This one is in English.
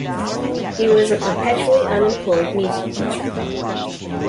He was a perpetually unemployed music teacher.